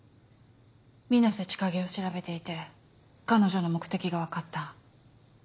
水瀬千景を調べていて彼女の目的が分かった。